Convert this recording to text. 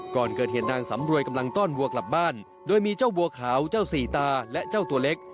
ก่อนเกิดเหตุนางสำรวยกำลังต้อนวัวกลับบ้านโดยมีเจ้าบัวขาวเจ้าสี่ตาและเจ้าตัวเล็ก